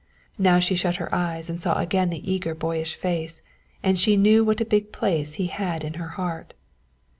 Now she shut her eyes and saw again the eager boyish face, and she knew what a big place he had in her heart.